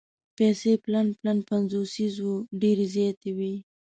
پیسې پلن پلن پنځوسیز وو ډېرې زیاتې وې.